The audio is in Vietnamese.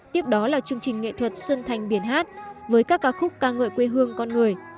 tiếp đó là chương trình nghệ thuật xuân thành biển hát với các ca khúc ca ngợi quê hương con người